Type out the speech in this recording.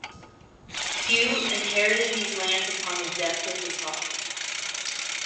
Hugh inherited these lands upon the death of his father.